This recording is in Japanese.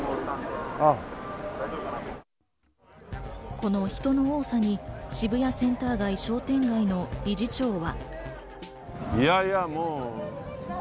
この人の多さに渋谷センター商店街の理事長は。